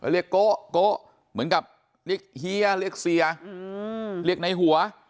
เรียกโก๊เหมือนกับเรียกเฮียเรียกเสียเรียกในหัว